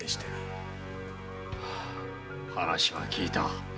話は聞いた。